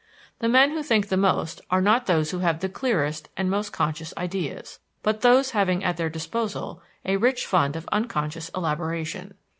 The men who think the most are not those who have the clearest and "most conscious" ideas, but those having at their disposal a rich fund of unconscious elaboration.